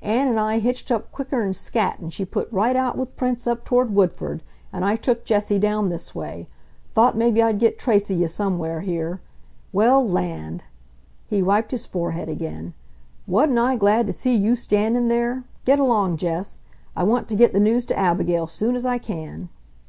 Ann and I hitched up quicker'n scat and she put right out with Prince up toward Woodford and I took Jessie down this way; thought maybe I'd get trace of ye somewhere here. Well, land!" He wiped his forehead again. "Wa'n't I glad to see you standin' there ... get along, Jess! I want to get the news to Abigail soon as I can!"